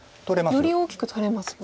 より大きく取れますよ？